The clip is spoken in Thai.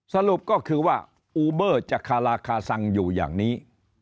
สรุปก็คือว่าอูเบอร์จะคาราคาซังอยู่อย่างนี้